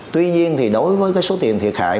tuy nhiên thì đối với số tiền thiệt hại